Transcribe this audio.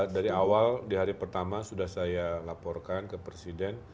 dari awal di hari pertama sudah saya laporkan ke presiden